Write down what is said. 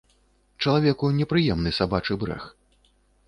Чалавеку непрыемны сабачы брэх.